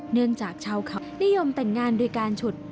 เนื่องจากชาวเขานิยมแต่งงานโดยการฉุด